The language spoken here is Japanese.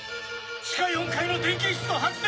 地下４階の電気室と発電